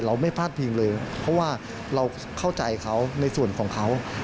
ไม่พลาดพิงเลยเพราะว่าเราเข้าใจเขาในส่วนของเขา